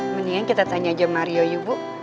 mendingan kita tanya aja mario yuk bu